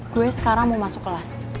gue sekarang mau masuk kelas